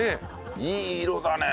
いい色だね。